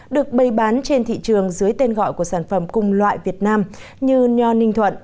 được bày bán trên thị trường dưới tên gọi của sản phẩm cùng loại việt nam như nho ninh thuận